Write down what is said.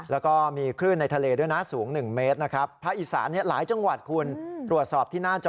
แล้วก็มีครื่นในทะเลด้วยนะสูง๑เมตรนะครับ